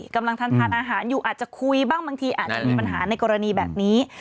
กำลังทานอาหารอยู่อาจจะคุยบ้างบางทีอาจจะมีปัญหาในกรณีแบบนี้